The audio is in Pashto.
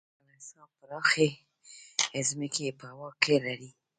کلیسا پراخې ځمکې یې په واک کې لرلې.